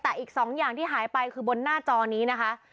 แต่อีก๒อย่างที่หายไปคือบนหน้าจอนี้นะคะ